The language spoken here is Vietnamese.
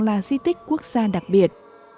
là di tích quốc gia đặc biệt